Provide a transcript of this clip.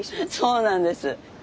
そうなんです。